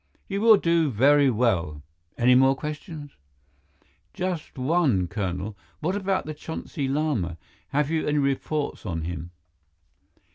"You will do very well. Any more questions?" "Just one, Colonel. What about the Chonsi Lama? Have you any reports on him?"